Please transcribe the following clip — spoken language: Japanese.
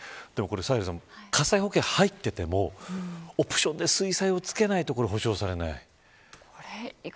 サヘルさん火災保険に入っていてもオプションで水災を付けないと補償されない。